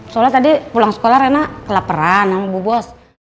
soalnya tadi pulang sekolah rena kelaperan sama bu bos